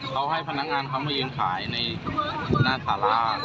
เขาให้พนักงานเขามาเย็นขายในหน้าฐารา